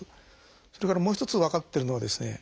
それからもう一つ分かってるのはですね